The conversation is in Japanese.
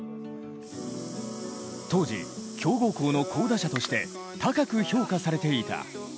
当時、強豪校の好打者として高く評価されていた。